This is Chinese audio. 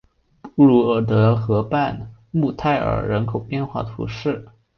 布卢尔德河畔穆泰尔人口变化图示